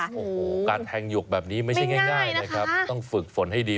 โอ้โหการแทงหยวกแบบนี้ไม่ใช่ง่ายนะครับต้องฝึกฝนให้ดี